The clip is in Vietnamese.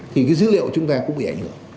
thì cái dữ liệu của chúng ta cũng ẻ nhuộm